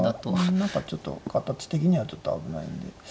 何かちょっと形的にはちょっと危ないんで。